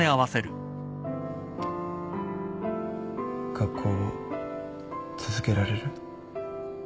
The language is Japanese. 学校を続けられる？